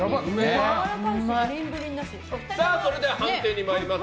それでは判定に参ります。